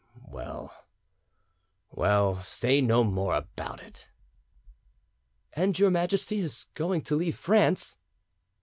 "Well, well, say no more about it." "And your Majesty is going to leave France?"